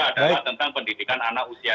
adalah tentang pendidikan anak usia